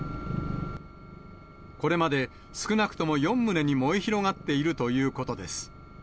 これまで少なくとも４棟に燃え広がっているということです。